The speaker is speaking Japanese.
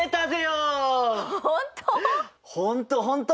本当？